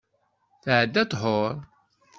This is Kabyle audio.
Tɛedda ṭhur.